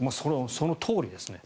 そのとおりですね。